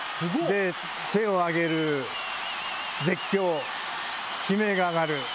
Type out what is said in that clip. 手を上げる絶叫悲鳴が上がる。